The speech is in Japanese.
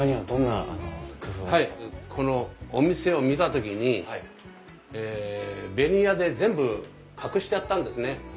このお店を見た時にベニヤで全部隠してあったんですね。